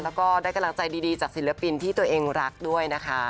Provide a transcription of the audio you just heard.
แล้วก็ได้กำลังใจดีจากศิลปินที่ตัวเองรักด้วยนะคะ